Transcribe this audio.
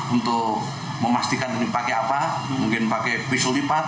untuk memastikan ini pakai apa mungkin pakai pisau lipat